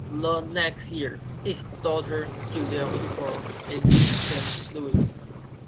The next year, his daughter Julia was born in Saint Louis.